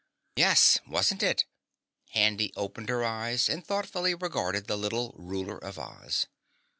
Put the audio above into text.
"Yes, wasn't it?" Handy opened her eyes and thoughtfully regarded the little Ruler of Oz.